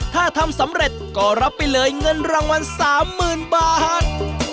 ถ้าทำสำเร็จก็รับไปเลยเงินรางวัล๓๐๐๐บาท